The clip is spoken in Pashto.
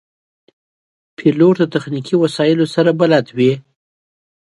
پیلوټ د تخنیکي وسایلو سره بلد وي.